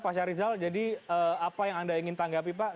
pak syarizal jadi apa yang anda ingin tanggapi pak